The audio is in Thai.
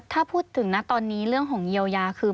ถ้าพูดถึงนะตอนนี้เรื่องของเยียวยาคือ